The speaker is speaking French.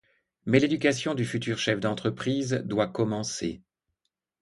Mais l’éducation du futur chef d’entreprise doit commencer.